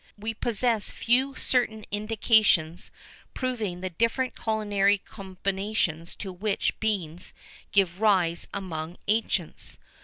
[VIII 11] We possess few certain indications proving the different culinary combinations to which beans gave rise among the ancients.